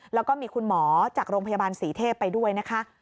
แล้วก็มีคุณหมอจากโรงพยาบาลศรีเทพไปด้วยนะคะ